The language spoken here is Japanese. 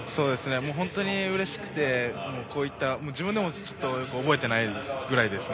本当にうれしくてこういった自分でもよく覚えてないくらいですね。